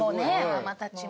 ママたちも。